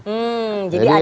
jadi harus dipindahin